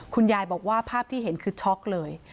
คุณยายบอกว่าภาพที่เห็นคือช็อกเลย